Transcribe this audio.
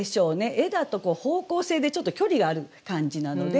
「へ」だと方向性でちょっと距離がある感じなので。